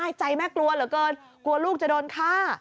ใช่ใจแม่กลัวเหลือเกินกลัวลูกจะโดนฆ่า